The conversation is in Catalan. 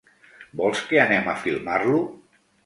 Vols que anem a filmar-lo?